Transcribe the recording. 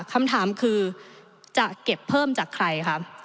คำถามคือจะเก็บเพิ่มจากใครคะ